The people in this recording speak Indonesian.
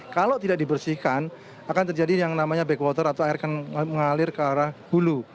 kalau tidak dibersihkan akan terjadi yang namanya backwater atau air mengalir ke arah hulu